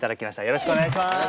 よろしくお願いします。